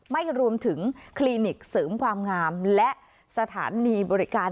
ไม่รวมถึงคลินิกเสริมความงามและสถานีบริการ